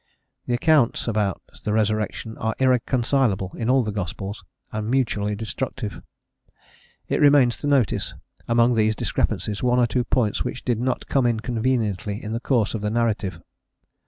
The accounts about the resurrection are irreconcilable in all the gospels, and mutually destructive. It remains to notice, among these discrepancies, one or two points which did not come in conveniently in the course of the narrative.